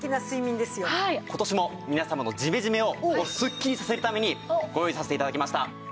今年も皆様のジメジメをすっきりさせるためにご用意させて頂きました。